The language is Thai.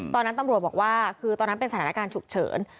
ตอนนั้นตำรวจบอกว่าคือตอนนั้นเป็นสถานการณ์ฉุกเฉิน